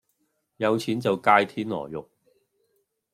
有錢就界天鵝肉